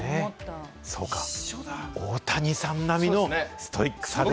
そうだ、大谷さん並みのストイックさで。